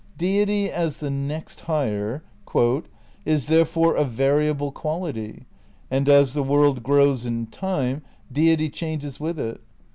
Deity, as the next higher, ... "is therefore a variable quality, and as the world grows in time, deity changes with it.